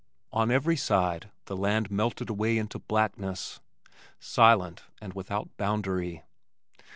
On every side the land melted into blackness, silent and without boundary.